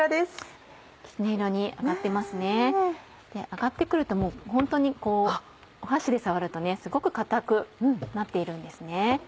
揚がって来るともうホントに箸で触るとすごく硬くなっているんですね。